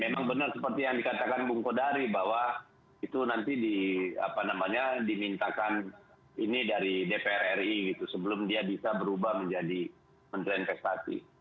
memang benar seperti yang dikatakan bung kodari bahwa itu nanti dimintakan ini dari dpr ri gitu sebelum dia bisa berubah menjadi menteri investasi